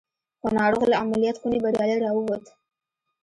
خو ناروغ له عملیات خونې بریالی را وووت